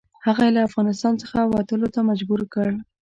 هغه یې له افغانستان څخه وتلو ته مجبور کړ.